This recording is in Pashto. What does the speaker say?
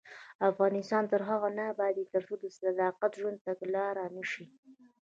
افغانستان تر هغو نه ابادیږي، ترڅو صداقت د ژوند تګلاره نشي.